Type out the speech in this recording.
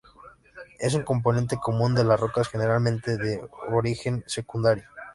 Es un componente común de las rocas, generalmente de origen secundario.